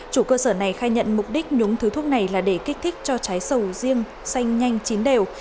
chủ cơ sở này khai nhận mục đích nhốm thứ thuốc này là để kích thích cho trái sầu riêng xanh nhanh chín đều